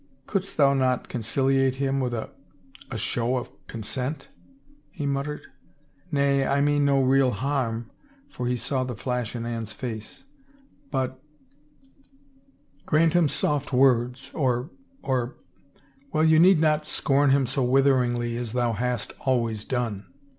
" Couldst thou not conciliate him with a — a show of consent ?" he muttered. " Nay, I mean no real harm," for he saw the flash in Anne's face, "but — 317 THE FAVOR OF KINGS grant him soft words — or — or — well, you need not scorn him so witheringly as thou hast always done."